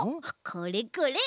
これこれ。